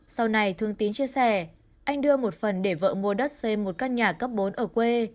sau này thương tín chia sẻ anh đưa một phần để vợ mua đất xem một căn nhà cấp bốn ở quê